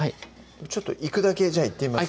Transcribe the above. ちょっといくだけじゃあいってみます